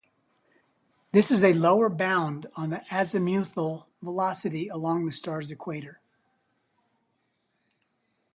This is a lower bound on the azimuthal velocity along the star's equator.